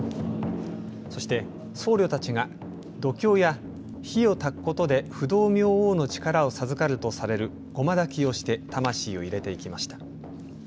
そして僧侶たちが読経や火をたくことで不動明王の力を授かるとされる護摩だきをして魂を入れていきました。